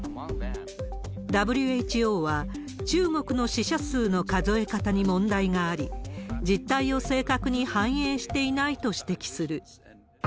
ＷＨＯは、中国の死者数の数え方に問題があり、実態を正確に反映していないと指摘する。